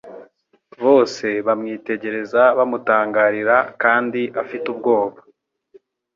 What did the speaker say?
bose bamwitegereza bamutangarira kandi bafite ubwoba